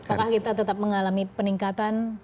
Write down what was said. apakah kita tetap mengalami peningkatan